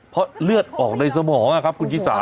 เพราะเลือดออกในสมองครับคุณชิสา